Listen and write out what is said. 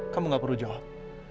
kamu tidak perlu jawab